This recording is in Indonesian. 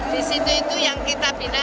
di situ itu yang kita bina